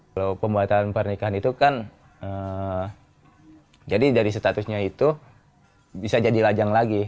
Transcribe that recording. kalau pembuatan pernikahan itu kan jadi dari statusnya itu bisa jadi lajang lagi